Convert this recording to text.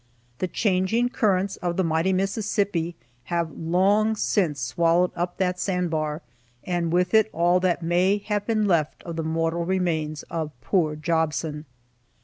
The changing currents of the mighty Mississippi have long since swallowed up that sand bar, and with it all that may have been left of the mortal remains of poor Jobson.